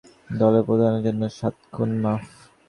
কেবল এরশাদ নন, বাংলাদেশে সব দলের প্রধানের জন্য সাত খুন মাফ।